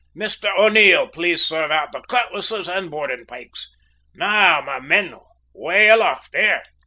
Mr O'Neil, please serve out the cutlasses and boarding pikes. Now, my men, way aloft there!